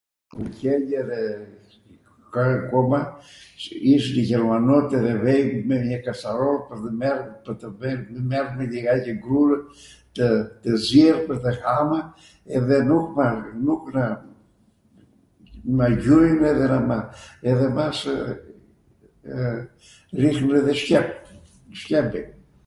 ishnw jermanotw edhe vejm me njw kacaroll pwr tw mermw lighaqi grurw tw zier pwr tw hamw edhe nuk marmw, nukw na apin, na gjujnw edhe na mas rihnun edhe shqep, shqepin.